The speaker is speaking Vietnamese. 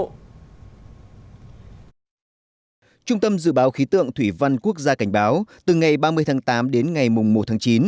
trung tâm dự báo khí tượng thủy văn quốc gia cảnh báo từ ngày ba mươi tháng tám đến ngày một tháng chín